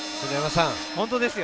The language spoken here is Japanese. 本当ですよ。